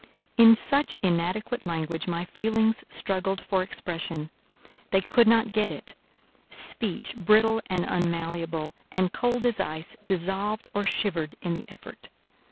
In such inadequate language my feelings struggled for expression: they could not get it; speech, brittle and unmalleable, and cold as ice, dissolved or shivered in the effort.